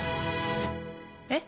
えっ？